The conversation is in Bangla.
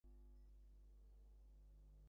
কিন্তু এই কান্না অস্বাভাবিক লাগছে।